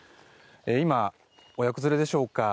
今、親子連れでしょうか。